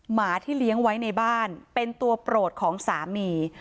หมาที่เลี้ยงไว้ในบ้านเป็นตัวโปรดของสามี